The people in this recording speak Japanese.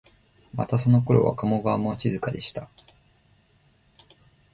またそのころは加茂川も静かでしたから、